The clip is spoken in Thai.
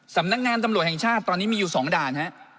สำนักงานตำรวจแห่งชาติตอนนี้มีอยู่๒ด่านฮะ